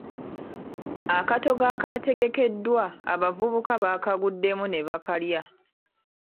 Akatogo akaategekeddwa abavubuka baakaguddemu ne bakalya.